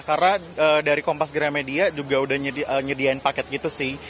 karena dari kompas gramedia juga udah nyediain paket gitu sih